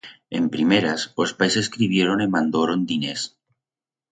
En primeras, os pais escribioron e mandoron diners.